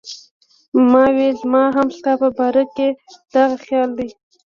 ما وې زما هم ستا پۀ باره کښې دغه خيال دی